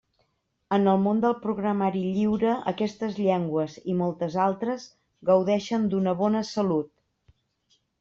En el món del programari lliure aquestes llengües, i moltes altres, gaudeixen d'una bona salut.